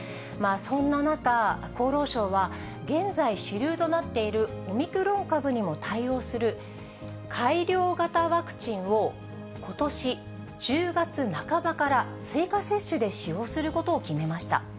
そんな中、厚労省は、現在主流となっているオミクロン株にも対応する改良型ワクチンを、ことし１０月半ばから追加接種で使用することを決めました。